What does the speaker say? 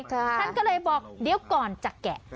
ฉันก็เลยบอกเดี๋ยวก่อนจะแกะ